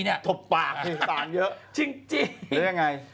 ทบปากต่างเยอะหรือยังไงจริงจริง